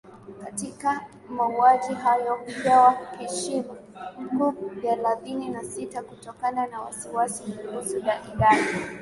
katika mauaji hayo hupewa heshima kuu Thelathini na sita Kutokana na wasiwasi kuhusu idadi